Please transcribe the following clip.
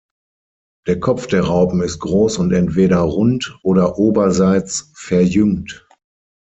Der Kopf der Raupen ist groß und entweder rund, oder oberseits verjüngt.